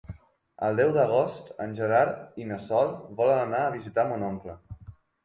El deu d'agost en Gerard i na Sol volen anar a visitar mon oncle.